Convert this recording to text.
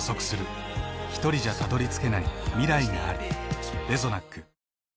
ひとりじゃたどりつけない未来がある。